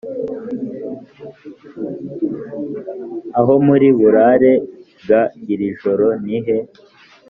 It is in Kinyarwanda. aho muri burare g iri joro nihe